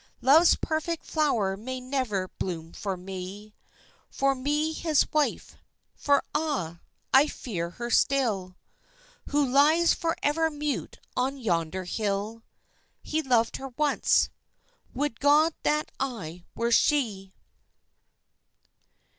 Love's perfect flower may never bloom for me For me his wife. For ah! I fear her still Who lies forever mute on yonder hill. He loved her once. Would God that I were she!